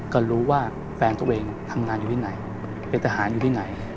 ก็รู้ว่าแฟนตัวเองทำงานอยู่ที่ไหนเป็นทหารอยู่ที่ไหน